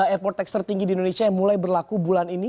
airport tax tertinggi di indonesia yang mulai berlaku bulan ini